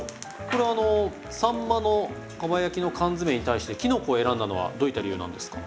これはあのさんまのかば焼きの缶詰に対してきのこを選んだのはどういった理由なんですか？